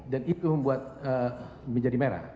dan itu membuat menjadi merah